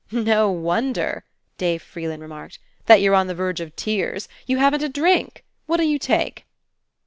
"No wonder," Dave Freeland re marked, "that you're on the verge of tears. You haven't a drink. What'll you take?"